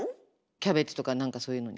キャベツとか何かそういうのにかけたりする。